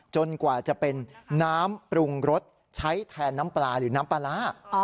กว่าจะเป็นน้ำปรุงรสใช้แทนน้ำปลาหรือน้ำปลาร้า